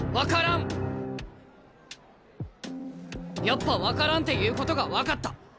やっぱ分からんっていうことが分かった。